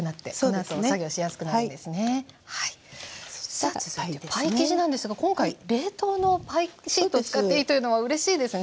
さあ続いてはパイ生地なんですが今回冷凍のパイシート使っていいというのはうれしいですね。